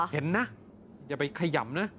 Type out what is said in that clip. เห็นนะยังไม่ขย่ำน่ะ